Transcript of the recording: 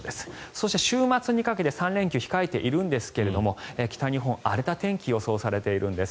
そして、週末にかけて３連休控えているんですが北日本、荒れた天気が予想されているんです。